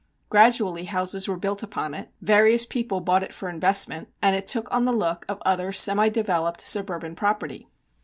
Gradually houses were built upon it, various people bought it for investment, and it took on the look of other semi developed suburban property.